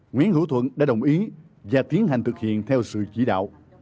nguyễn hữu thuận đã đồng ý và tiến hành thực hiện theo sự chỉ đạo